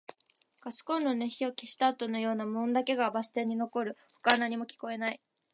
ガスコンロの火を消したあとのような無音だけがバス停に残る。他は何も聞こえない。